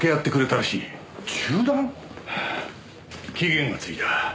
期限がついた。